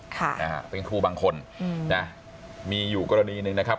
เค้าะถ้าอย๑๒๕บางคนเอิ่มเนี่ยมีอยู่กรณีหนึ่งนะครับ